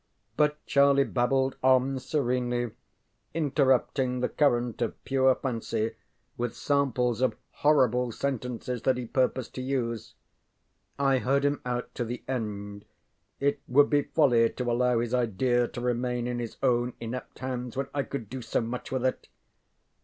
But Charlie babbled on serenely, interrupting the current of pure fancy with samples of horrible sentences that he purposed to use. I heard him out to the end. It would be folly to allow his idea to remain in his own inept hands, when I could do so much with it.